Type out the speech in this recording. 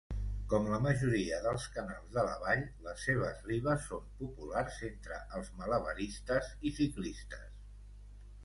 Com la majoria dels canals de la vall, les seves ribes són populars entre els malabaristes i ciclistes.